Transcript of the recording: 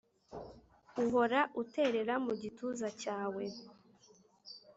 uhora uterera mu gituza cyawe